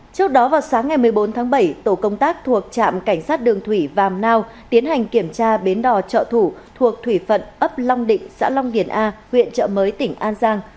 trước đó vào sáng ngày một mươi bốn tháng bảy tổ công tác thuộc trạm cảnh sát đường thủy vàm nao tiến hành kiểm tra bến đò trợ thủ thuộc thủy phận ấp long định xã long điền a huyện trợ mới tỉnh an giang